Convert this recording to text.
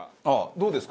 どうですか？